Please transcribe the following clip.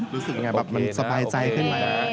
รู้สึกอย่างไรมันสบายใจขึ้นไหม